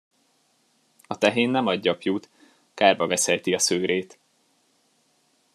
A tehén nem ad gyapjút, kárba veszejti a szőrét!